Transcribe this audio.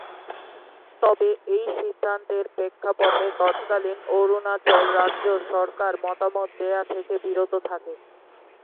তবে এই সিদ্ধান্তের প্রেক্ষিতে তৎকালীন অরুনাচল রাজ্য সরকার মতামত দেয়া থেকে বিরত থাকে।